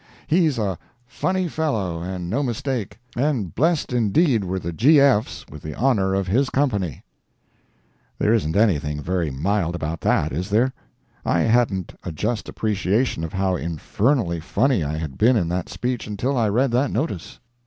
He's a phunny fellow and no mistake, and blessed, indeed, were the G.F.'s with the honor of his company." There isn't anything very mild about that, is there? I hadn't a just appreciation of how infernally funny I had been in that speech until I read that notice.